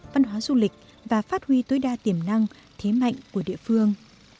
văn hóa du lịch và phát huy tối đa tiềm năng thế mạnh của địa phương